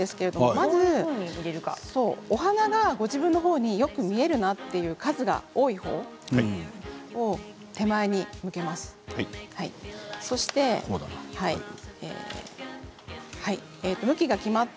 まずお花がご自分の方によく見えるなと数が多い方を手前に置きます。